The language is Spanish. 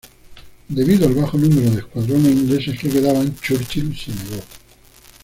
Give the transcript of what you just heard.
Debido al bajo número de escuadrones ingleses que quedaban, Churchill se negó.